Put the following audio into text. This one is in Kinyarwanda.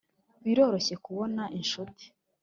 biroroshye kubona inshuti,